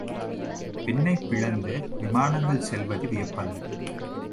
விண்ணைப் பிளந்து விமானங்கள் செல்வது வியப்பல்ல.